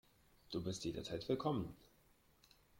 Du bist jederzeit willkommen.